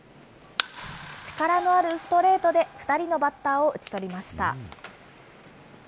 力のあるストレートで２人のバッターを打ち取りました。